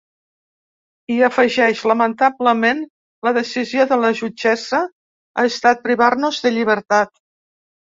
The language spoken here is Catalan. I afegeix: Lamentablement, la decisió de la jutgessa ha estat privar-nos de llibertat.